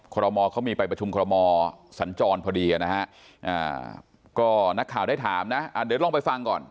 รมอเขามีไปประชุมคอรมอสัญจรพอดีนะฮะก็นักข่าวได้ถามนะเดี๋ยวลองไปฟังก่อน